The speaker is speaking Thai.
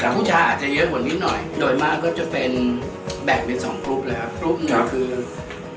ผู้ชายอาจจะเยอะกว่านิดหน่อยโดยมากก็จะเป็นแบกเป็น๒กลุ่มเลยครับ